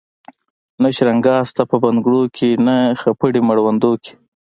نه شرنګا سته په بنګړو کي نه خپړي مړوندو کي